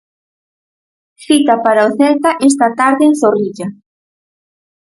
Cita para o Celta esta tarde en Zorrilla.